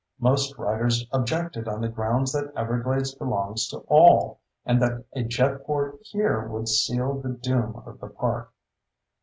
Most writers objected on the grounds that Everglades belongs to all and that a jetport here would seal the doom of the park.